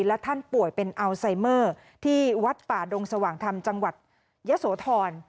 และท่านป่วยเป็นอัลไซเมอร์ที่วัดป่าดงสว่างธรรมจังหวัดยะโสธร